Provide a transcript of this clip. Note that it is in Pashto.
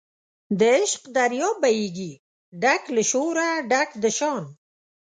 د عشق دریاب بهیږي ډک له شوره ډک د شان